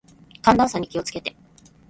寒暖差に気を付けて。